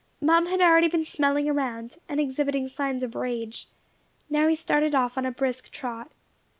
Mum had already been smelling around, and exhibiting signs of rage. Now he started off on a brisk trot.